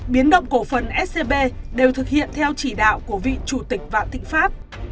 biến động cổ phần scb đều thực hiện theo chỉ đạo của vị chủ tịch vạn thịnh pháp